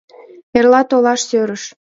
— Эрла толаш сӧрыш.